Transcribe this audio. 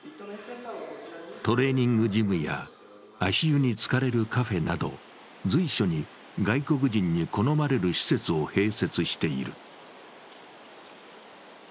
トレーニングジムや足湯につかれるカフェなど、随所に、外国人に好まれる施設を併設している。